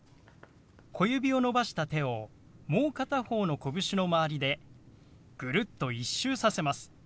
小指を伸ばした手をもう片方のこぶしの周りでぐるっと１周させます。